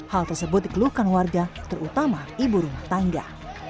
hal tersebut dikeluhkan warga terutama ibu rumah tangga